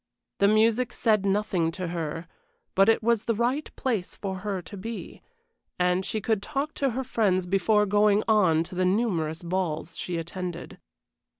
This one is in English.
The music said nothing to her, but it was the right place for her to be, and she could talk to her friends before going on to the numerous balls she attended.